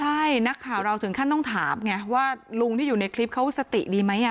ใช่นักข่าวเราถึงขั้นต้องถามไงว่าลุงที่อยู่ในคลิปเขาสติดีไหม